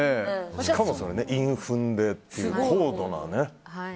しかも韻を踏んでっていう高度なね。